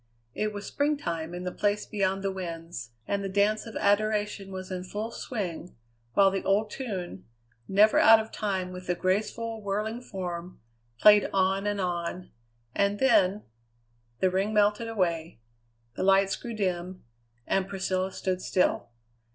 It was spring time in the Place Beyond the Winds, and the dance of adoration was in full swing, while the old tune, never out of time with the graceful, whirling form, played on and on. And then the ring melted away, the lights grew dim, and Priscilla stood still.